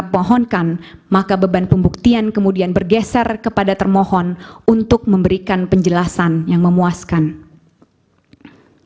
tapi kemudian jelas setelah pemohon memberikan bukti yang cukup untuk menunjukkan permasalahan yang terjadi